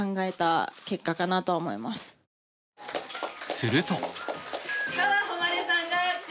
すると。